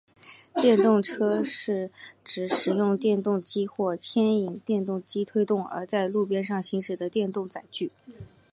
电动车是指使用电动机或牵引电动机推动而在路面上行驶的电动载具。